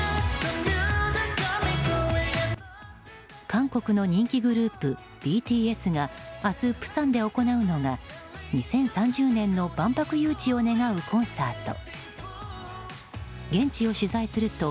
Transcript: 韓国の人気グループＢＴＳが明日、釜山で行うのが２０３０年の万博誘致を願うコンサート。